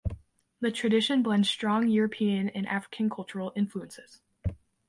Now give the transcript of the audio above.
The tradition blends strong European and African cultural influences.